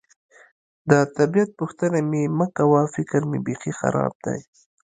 د طبیعت پوښتنه مې مه کوه، فکر مې بېخي خراب دی.